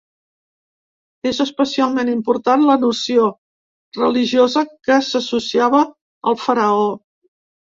És especialment important la noció religiosa que s’associava al faraó.